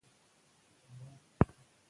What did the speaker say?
وفادار اوسئ.